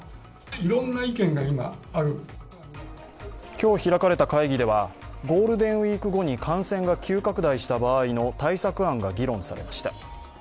今日開かれた会議ではゴールデンウイーク後に感染が急拡大した場合の対策案が議論されました。